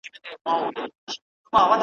تشه له سرو میو شنه پیاله به وي `